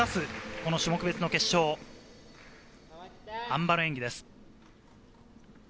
この種目別の決勝、あん馬の演技です。